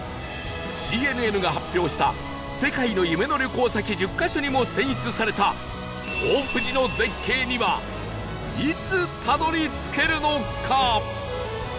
ＣＮＮ が発表した世界の夢の旅行先１０カ所にも選出された大藤の絶景にはいつたどり着けるのか？